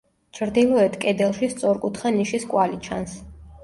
ჩრდილოეთ კედელში სწორკუთხა ნიშის კვალი ჩანს.